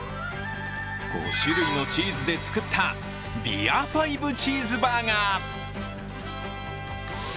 ５種類のチーズで作ったビアファイブチーズバーガー。